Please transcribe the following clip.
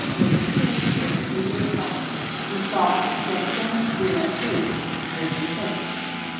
In two or three years' time, he thought, Gastom de Latour would be finished.